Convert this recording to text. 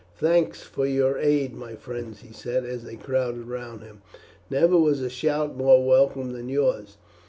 "Thanks for your aid, my friends!" he said as they crowded round him; "never was a shout more welcome than yours.